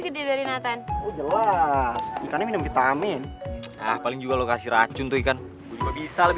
gede dari nathan jelas ikannya minum vitamin ah paling juga lokasi racun itu ikan bisa lebih